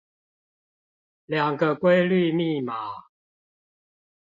兩個規律密碼